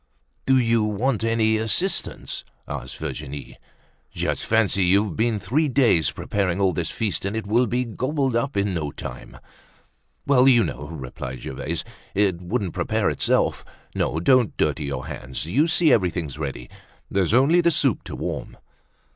"Do you want any assistance?" asked Virginie. "Just fancy, you've been three days preparing all this feast and it will be gobbled up in no time." "Well, you know," replied Gervaise, "it wouldn't prepare itself. No, don't dirty your hands. You see everything's ready. There's only the soup to warm."